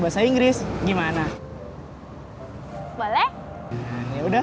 bahasa inggris gimana boleh ya udah